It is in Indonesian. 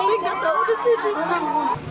lebih enggak tahu di sini